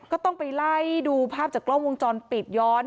ก็ต้องไปไล่ดูภาพจากกล้องวงจรปิดย้อน